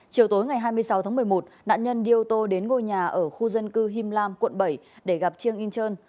chiều tối ngày hai mươi sáu tháng một mươi một nạn nhân đi ô tô đến ngôi nhà ở khu dân cư him lam quận bảy để gặp chiêng in trân